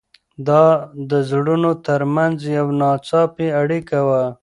دا د زړونو تر منځ یوه ناڅاپي اړیکه وه.